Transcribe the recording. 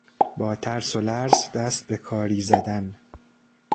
با ترس و لرز دست به کاری زدن